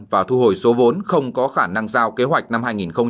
và thu hồi số vốn không có khả năng giao kế hoạch năm hai nghìn một mươi chín